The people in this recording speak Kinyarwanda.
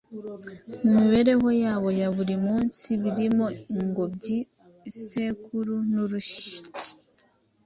mu mibereho yabo ya buri munsi, birimo ingobyi, isekuru n’urusyo.